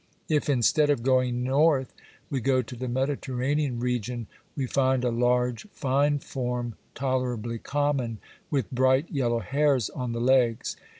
If, instead of going north, we go to the Mediterranean region we find a large, fine form tolerably common, with bright yellow hairs on the legs.